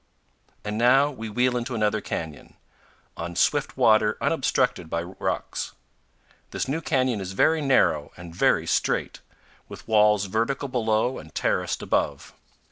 And now we wheel into another canyon, on swift water unobstructed by rocks. This new canyon is very narrow and very straight, with walls vertical below and terraced above.